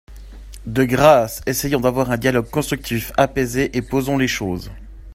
De grâce, essayons d’avoir un dialogue constructif, apaisé, et posons les choses.